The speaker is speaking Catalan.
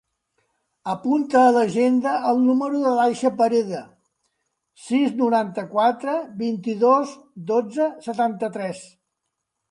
Apunta a l'agenda el número de l'Aixa Pereda: sis, noranta-quatre, vint-i-dos, dotze, setanta-tres.